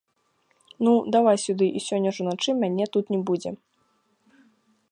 Ну, давай сюды, і сёння ж уначы мяне тут не будзе.